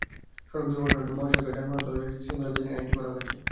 সড়ক দুর্ঘটনারোধে ও মহাসড়কে যানবাহন চলাচলে শৃঙ্খলা বিধানে এ আইনটি করা হয়েছে।